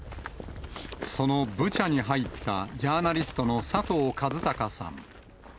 そのブチャに入ったジャーナリストの佐藤和孝さん。